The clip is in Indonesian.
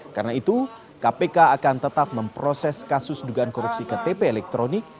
karena itu kpk akan tetap memproses kasus dugaan korupsi ktp elektronik